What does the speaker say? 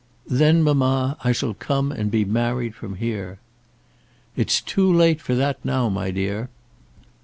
"Then mamma, I shall come and be married from here." "It's too late for that now, my dear."